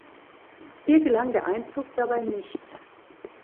Ihr gelang der Einzug dabei nicht.